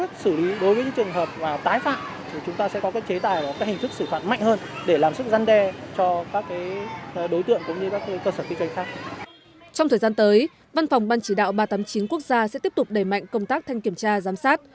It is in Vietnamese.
trong thời gian tới văn phòng ban chỉ đạo ba trăm tám mươi chín quốc gia sẽ tiếp tục đẩy mạnh công tác thanh kiểm tra giám sát